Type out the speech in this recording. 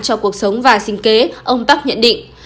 cho cuộc sống và sinh kế ông tắc nhận định